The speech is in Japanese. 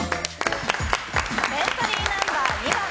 エントリーナンバー２番。